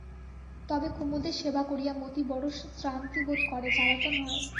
তবে কুমুদের সেবা করিয়া মতি বড় শ্রান্তিবোধ করে, জ্বালাতন হয়।